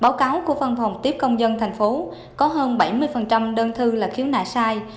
báo cáo của văn phòng tiếp công dân thành phố có hơn bảy mươi đơn thư là khiếu nại sai